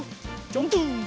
ジャンプ！